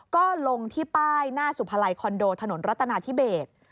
ก็ลงที่ป้ายหน้าสุภาลัยคอนโดถนนรัตนาธิเบส